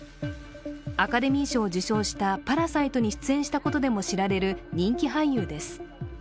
アカデミー賞を受賞した「パラサイト」に出演したことでも知られる人気俳優です。